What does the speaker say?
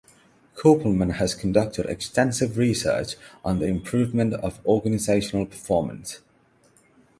Kopelman has conducted extensive research on the improvement of organizational performance.